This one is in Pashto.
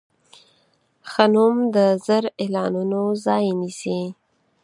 ښه نوم د زر اعلانونو ځای نیسي.